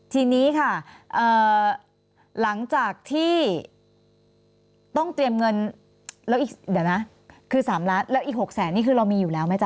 ทีนี้ค่ะหลังจากที่ต้องเตรียมเงิน๓ล้านแล้วอีก๖แสนนี่คือเรามีอยู่แล้วไหมจ๊ะ